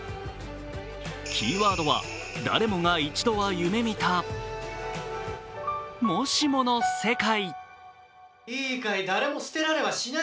キーワードは、誰もが一度は夢見た、もしもの世界。